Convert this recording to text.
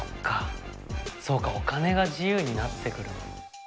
そうかお金が自由になってくる。